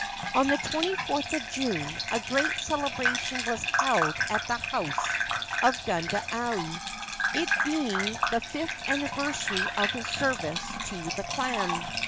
On the 24th of June a great celebration was held at the house of Gundayu, it being the fifth anniversary of his service to the clan.